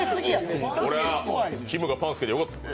俺は、きむがパン好きでよかった！